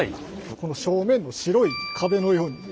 正面の白い壁のように。